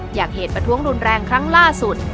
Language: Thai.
อย่างเหตุประท้วงรุนแรงครั้งล่าสุด